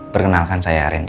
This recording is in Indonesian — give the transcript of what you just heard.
perkenalkan saya rendy